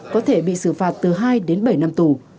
có thể bị xử phạt từ hai đến bảy năm tù